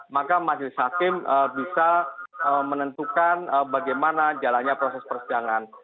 maka majelis hakim bisa menentukan bagaimana jalannya proses persidangan